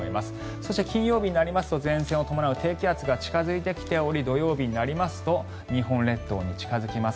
そして金曜日になりますと前線を伴う低気圧が近付いてきており土曜日になりますと日本列島に近付きます。